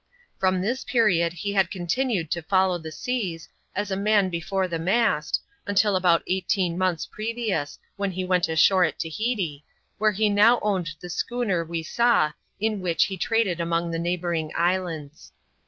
From this period he had con tinned to follow the seas, as a man before the mast, until about eighteen months previous, when he went ashore at Tahiti, wiiere he now owned the schooner we saw, in which he traded among the neighbouring islands.